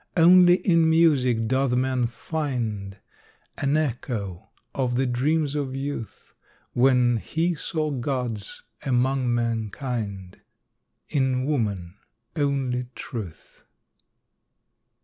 Only in music doth man find An echo of the dreams of youth, When he saw gods among mankind, In woman only truth.